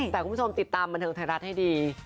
แต่คุณผู้ชมติดตามบันเทิงไทยรัฐให้ดี